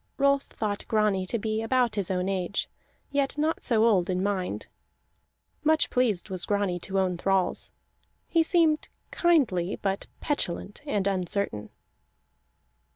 Rolf thought Grani to be about his age, yet not so old in mind. Much pleased was Grani to own thralls. He seemed kindly, but petulant and uncertain.